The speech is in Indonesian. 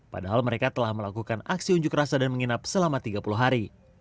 padahal mereka telah melakukan aksi unjuk rasa dan menginap selama tiga puluh hari